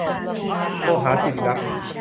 โทรหาศิริลักษณ์